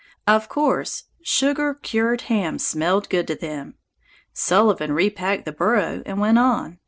Of course, sugar cured hams smelled good to them. Sullivan repacked the burro and went on.